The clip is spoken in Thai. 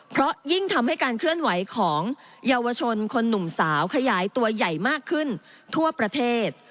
เพราะยิ่งทำให้การเคลื่อนไหวของเยาวชนคนหนุ่มสาวขยายตัวใหญ่มากขึ้นทั่วประเทศ